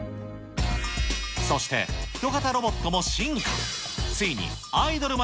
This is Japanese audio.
そして、人型ロボットも進化。